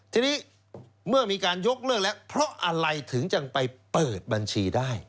ทีนี้เมื่อมีการยกเลิกแล้วเพราะอะไรถึงจะไปเปิดบัญชีได้